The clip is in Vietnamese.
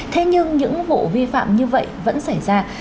thế nhưng những vụ vi phạm như vậy vẫn xảy ra